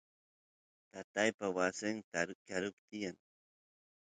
tataypa wasin karu tiyan